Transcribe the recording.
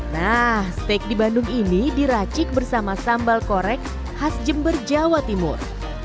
nah steak di bandung ini diracik bersama sambal korek khas jember jawa timur